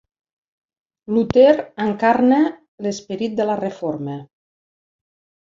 Luter encarna l'esperit de la Reforma.